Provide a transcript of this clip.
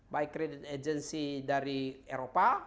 baik credit agency dari eropa